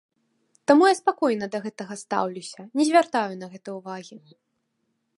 Таму я спакойна да гэтага стаўлюся, не звяртаю на гэта ўвагі.